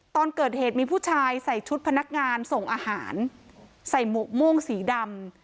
ตอนเกิดเหตุมีผู้ชายใส่ชุดพนักงานส่งอาหารใส่หมวกม่วงสีดำ